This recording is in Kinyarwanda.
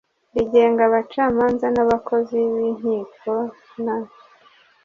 rigenga abacamanza n abakozi b inkiko n